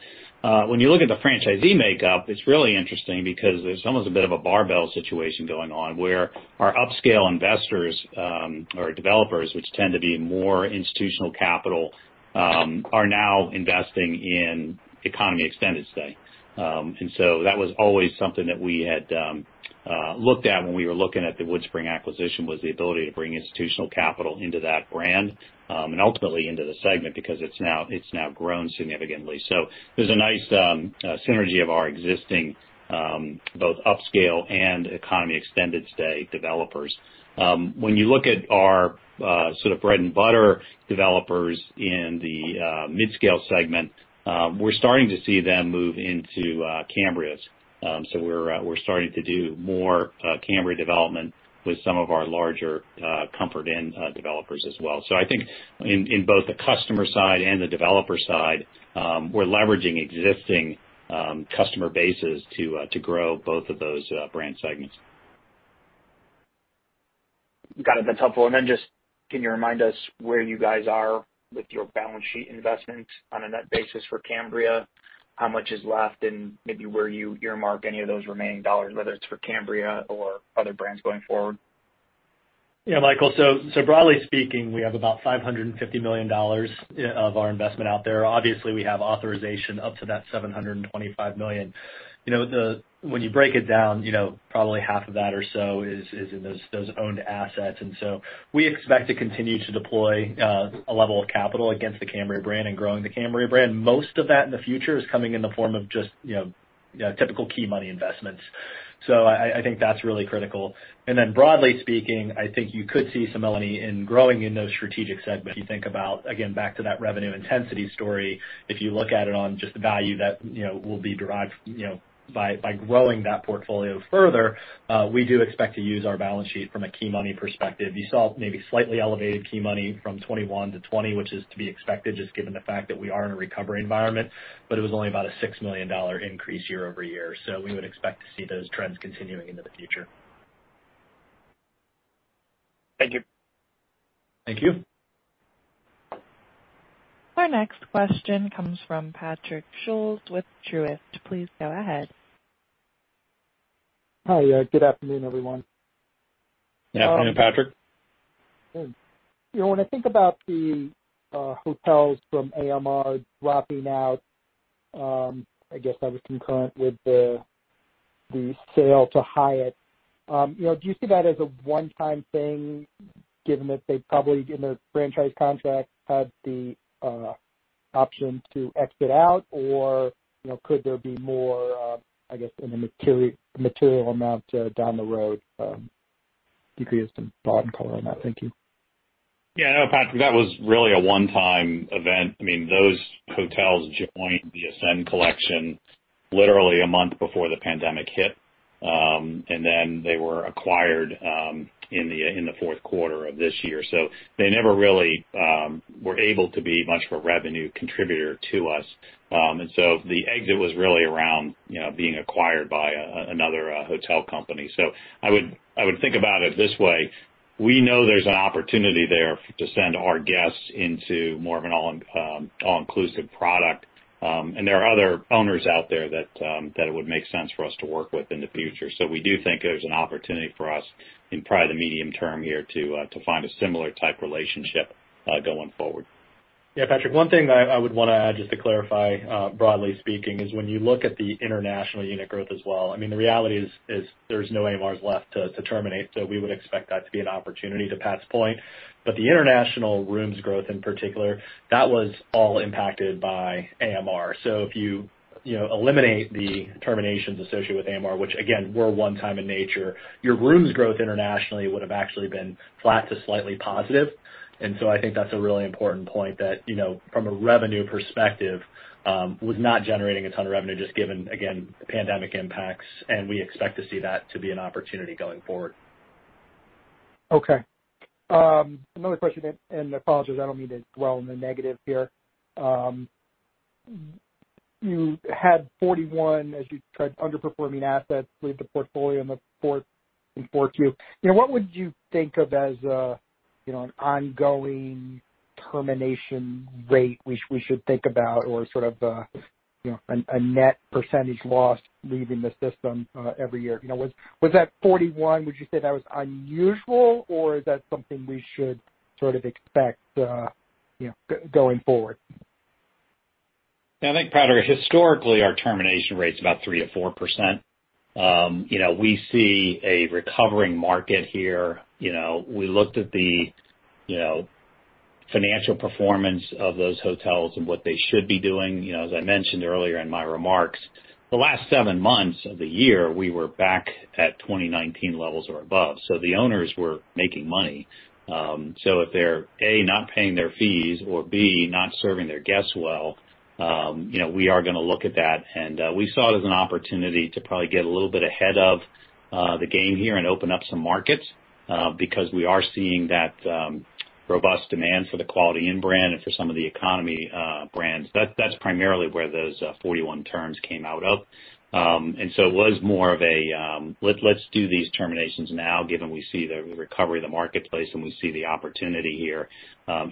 When you look at the franchisee makeup, it's really interesting because there's almost a bit of a barbell situation going on, where our upscale investors or developers, which tend to be more institutional capital, are now investing in economy extended stay. That was always something that we had looked at when we were looking at the WoodSpring acquisition, was the ability to bring institutional capital into that brand and ultimately into the segment because it's now grown significantly. There's a nice synergy of our existing both upscale and economy extended stay developers. When you look at our sort of bread and butter developers in the midscale segment, we're starting to see them move into Cambria. We're starting to do more Cambria development with some of our larger Comfort Inn developers as well. I think in both the customer side and the developer side, we're leveraging existing customer bases to grow both of those brand segments. Got it. That's helpful. Just can you remind us where you guys are with your balance sheet investments on a net basis for Cambria? How much is left, and maybe where you earmark any of those remaining dollars, whether it's for Cambria or other brands going forward? Yeah, Michael, so broadly speaking, we have about $550 million of our investment out there. Obviously, we have authorization up to that $725 million. You know, when you break it down, you know, probably half of that or so is in those owned assets. We expect to continue to deploy a level of capital against the Cambria brand and growing the Cambria brand. Most of that in the future is coming in the form of just, you know, typical key money investments. So I think that's really critical. Broadly speaking, I think you could see some, Melanie, in growing in those strategic segments. If you think about, again, back to that revenue intensity story, if you look at it on just the value that will be derived by growing that portfolio further, we do expect to use our balance sheet from a key money perspective. You saw maybe slightly elevated key money from 2021 to 2022, which is to be expected just given the fact that we are in a recovery environment. It was only about a $6 million increase year-over-year, we would expect to see those trends continuing into the future. Thank you. Thank you. Our next question comes from Patrick Scholes with Truist. Please go ahead. Hi. Good afternoon, everyone. Afternoon, Patrick. You know, when I think about the hotels from AMResorts dropping out, I guess that was concurrent with the sale to Hyatt. You know, do you see that as a one-time thing, given that they probably in their franchise contract had the option to exit out, or, you know, could there be more, I guess, in a material amount down the road, if you could give some thought and color on that? Thank you. Yeah. No, Patrick, that was really a one-time event. I mean, those hotels joined the Ascend Collection literally a month before the pandemic hit, and then they were acquired in the fourth quarter of this year. So they never really were able to be much of a revenue contributor to us. And so the exit was really around, you know, being acquired by another hotel company. So I would think about it this way. We know there's an opportunity there to send our guests into more of an all-inclusive product. And there are other owners out there that it would make sense for us to work with in the future. So we do think there's an opportunity for us in probably the medium term here to find a similar type relationship going forward. Yeah, Patrick, one thing I would wanna add, just to clarify, broadly speaking, is when you look at the international unit growth as well, I mean, the reality is there's no AMRs left to terminate. We would expect that to be an opportunity to Pat's point. The international rooms growth in particular, that was all impacted by AMResorts. If you know, eliminate the terminations associated with AMResorts, which again, were one-time in nature, your rooms growth internationally would have actually been flat to slightly positive. I think that's a really important point that, you know, from a revenue perspective, was not generating a ton of revenue just given, again, the pandemic impacts, and we expect to see that to be an opportunity going forward. Okay. Another question, and apologies, I don't mean to dwell on the negative here. You had 41 underperforming assets leave the portfolio in the fourth quarter in 4Q. You know, what would you think of as a, you know, an ongoing termination rate we should think about or sort of a net percentage loss leaving the system, you know, every year? You know, was that 41, would you say that was unusual, or is that something we should sort of expect, you know, going forward? I think, Patrick, historically our termination rate's about 3%-4%. You know, we see a recovering market here. You know, we looked at the financial performance of those hotels and what they should be doing. You know, as I mentioned earlier in my remarks, the last 7 months of the year we were back at 2019 levels or above, so the owners were making money. So if they're A, not paying their fees or B, not serving their guests well, you know, we are gonna look at that. We saw it as an opportunity to probably get a little bit ahead of the game here and open up some markets because we are seeing that robust demand for the Quality Inn brand and for some of the economy brands. That's primarily where those 41 terms came out of. It was more of a let's do these terminations now, given we see the recovery of the marketplace and we see the opportunity here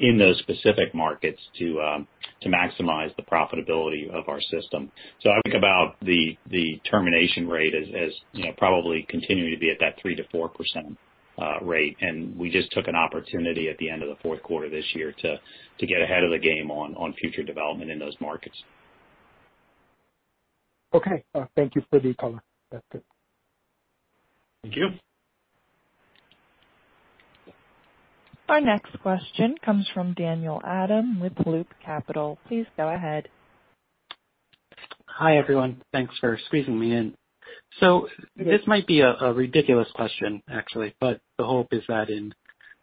in those specific markets to maximize the profitability of our system. I think about the termination rate as you know probably continuing to be at that 3%-4% rate. We just took an opportunity at the end of the fourth quarter this year to get ahead of the game on future development in those markets. Okay. Thank you for the color. That's it. Thank you. Our next question comes from Daniel Adam with Loop Capital. Please go ahead. Hi, everyone. Thanks for squeezing me in. This might be a ridiculous question, actually, but the hope is that in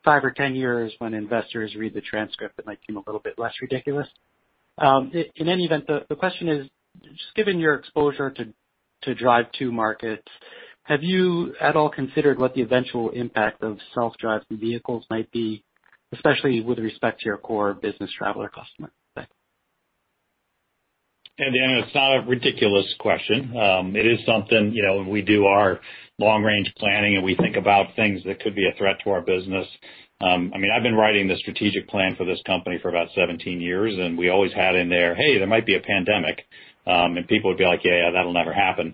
5 or 10 years, when investors read the transcript, it might seem a little bit less ridiculous. In any event, the question is. Just given your exposure to drive-to markets, have you at all considered what the eventual impact of self-driving vehicles might be, especially with respect to your core business traveler customer? Thanks. Hey, Dan, it's not a ridiculous question. It is something, you know, when we do our long-range planning and we think about things that could be a threat to our business. I mean, I've been writing the strategic plan for this company for about 17 years, and we always had in there, "Hey, there might be a pandemic." People would be like, "Yeah, yeah, that'll never happen."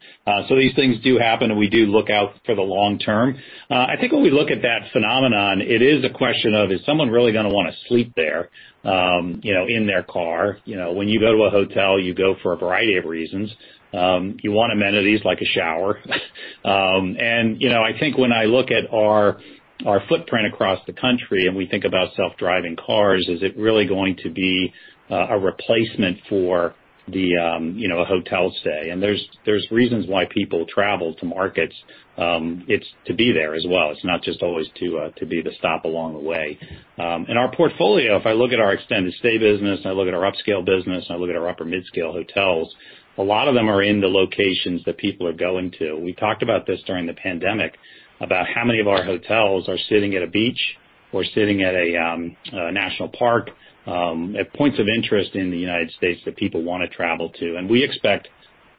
These things do happen, and we do look out for the long term. I think when we look at that phenomenon, it is a question of, is someone really gonna wanna sleep there, you know, in their car? You know, when you go to a hotel, you go for a variety of reasons. You want amenities like a shower. You know, I think when I look at our footprint across the country and we think about self-driving cars, is it really going to be a replacement for, you know, a hotel stay? There's reasons why people travel to markets. It's to be there as well. It's not just always to be the stop along the way. Our portfolio, if I look at our extended stay business, I look at our upscale business and I look at our upper mid-scale hotels, a lot of them are in the locations that people are going to. We talked about this during the pandemic, about how many of our hotels are sitting at a beach or sitting at a national park, at points of interest in the United States that people wanna travel to. We expect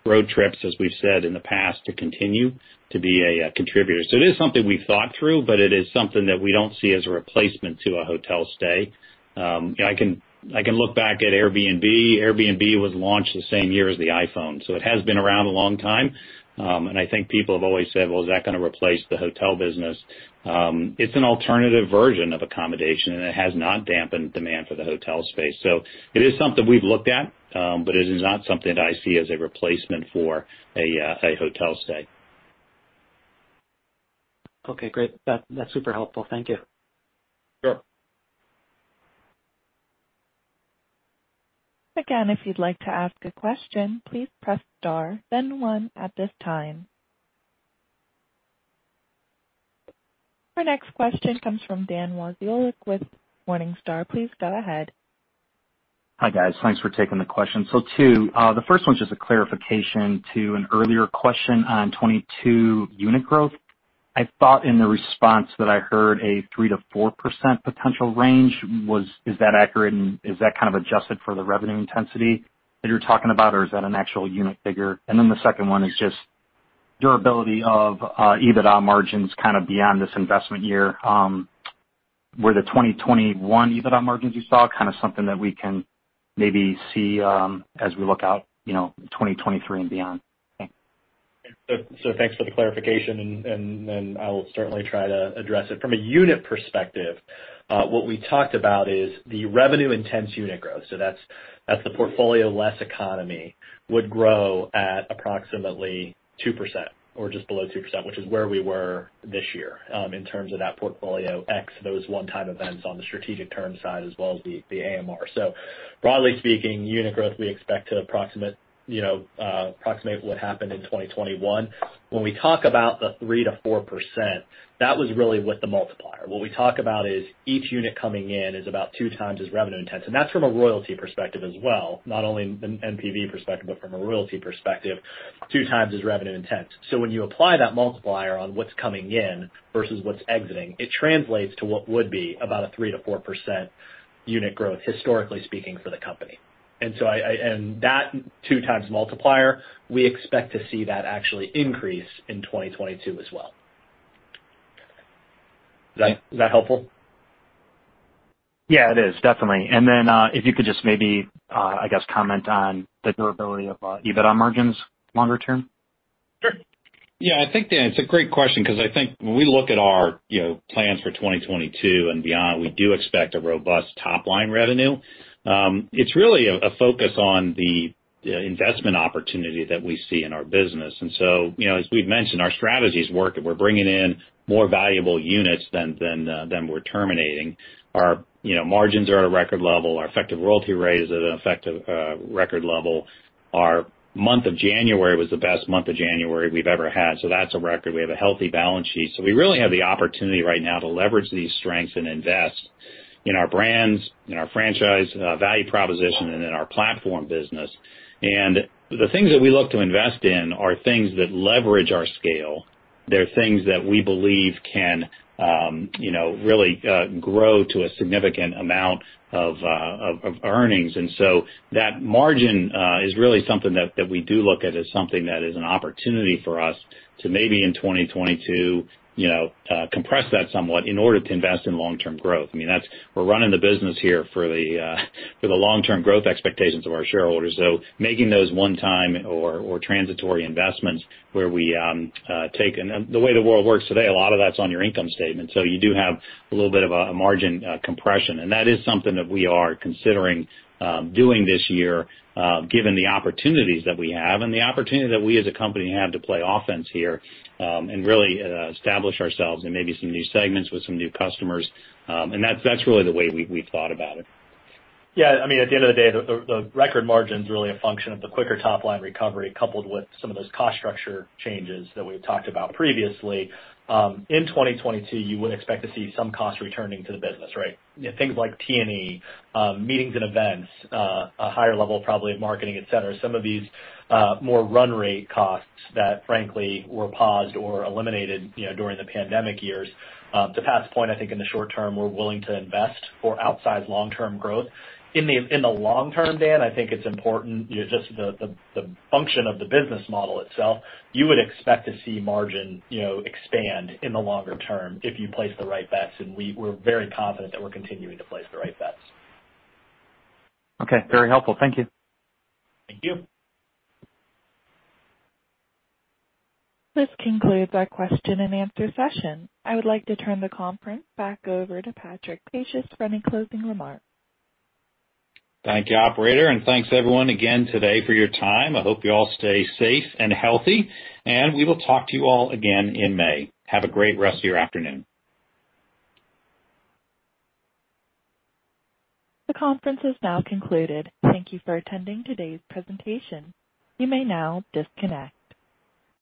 road trips, as we've said in the past, to continue to be a contributor. It is something we've thought through, but it is something that we don't see as a replacement to a hotel stay. You know, I can look back at Airbnb. Airbnb was launched the same year as the iPhone, so it has been around a long time. I think people have always said, "Well, is that gonna replace the hotel business?" It's an alternative version of accommodation, and it has not dampened demand for the hotel space. It is something we've looked at, but it is not something that I see as a replacement for a hotel stay. Okay, great. That's super helpful. Thank you. Sure. Again, if you'd like to ask a question, please press star then one at this time. Our next question comes from Dan Wasiolek with Morningstar. Please go ahead. Hi, guys. Thanks for taking the question. Two. The first one's just a clarification to an earlier question on 2022 unit growth. I thought in the response that I heard a 3%-4% potential range. Is that accurate, and is that kind of adjusted for the revenue intensity that you're talking about, or is that an actual unit figure? The second one is just durability of EBITDA margins kind of beyond this investment year. Were the 2021 EBITDA margins you saw kind of something that we can maybe see as we look out, you know, 2023 and beyond? Thanks. Thanks for the clarification and then I will certainly try to address it. From a unit perspective, what we talked about is the revenue-intensive unit growth. That's the portfolio less economy would grow at approximately 2% or just below 2%, which is where we were this year, in terms of that portfolio ex those one-time events on the strategic term side as well as the AMResorts. Broadly speaking, unit growth, we expect to approximate what happened in 2021. When we talk about the 3%-4%, that was really with the multiplier. What we talk about is each unit coming in is about 2 times as revenue-intensive, and that's from a royalty perspective as well. Not only an NPV perspective, but from a royalty perspective, 2 times as revenue-intensive. When you apply that multiplier on what's coming in versus what's exiting, it translates to what would be about a 3%-4% unit growth historically speaking for the company. And that 2x multiplier, we expect to see that actually increase in 2022 as well. Is that helpful? Yeah, it is, definitely. If you could just maybe, I guess, comment on the durability of EBITDA margins longer term. Sure. Yeah, I think, Dan, it's a great question because I think when we look at our, you know, plans for 2022 and beyond, we do expect a robust top line revenue. It's really a focus on the investment opportunity that we see in our business. You know, as we've mentioned, our strategy is working. We're bringing in more valuable units than we're terminating. Our, you know, margins are at a record level. Our effective royalty rate is at an effective record level. Our month of January was the best month of January we've ever had, so that's a record. We have a healthy balance sheet. We really have the opportunity right now to leverage these strengths and invest in our brands, in our franchise value proposition, and in our platform business. The things that we look to invest in are things that leverage our scale. They're things that we believe can, you know, really, grow to a significant amount of earnings. That margin is really something that we do look at as something that is an opportunity for us to maybe in 2022, you know, compress that somewhat in order to invest in long-term growth. I mean, that's. We're running the business here for the long-term growth expectations of our shareholders. Making those one-time or transitory investments. The way the world works today, a lot of that's on your income statement, so you do have a little bit of a margin compression. That is something that we are considering doing this year, given the opportunities that we have and the opportunity that we as a company have to play offense here, and really establish ourselves in maybe some new segments with some new customers. That's really the way we thought about it. Yeah. I mean, at the end of the day, the record margin's really a function of the quicker top line recovery coupled with some of those cost structure changes that we've talked about previously. In 2022, you would expect to see some costs returning to the business, right? You know, things like T&E, meetings and events, a higher level probably of marketing, et cetera. Some of these more run rate costs that frankly were paused or eliminated, you know, during the pandemic years. To Pat's point, I think in the short term, we're willing to invest for outsized long-term growth. In the long term, Dan, I think it's important, you know, just the function of the business model itself, you would expect to see margin, you know, expand in the longer term if you place the right bets, and we're very confident that we're continuing to place the right bets. Okay. Very helpful. Thank you. Thank you. This concludes our question and answer session. I would like to turn the conference back over to Patrick Pacious for any closing remarks. Thank you, operator, and thanks everyone again today for your time. I hope you all stay safe and healthy, and we will talk to you all again in May. Have a great rest of your afternoon. The conference is now concluded. Thank you for attending today's presentation. You may now disconnect.